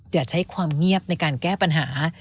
อย่าใช้ความเงียบในการแก้ปัญหา